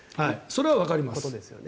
それはわかります。